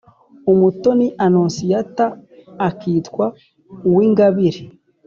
Umutoni annonciata akitwa uwingabire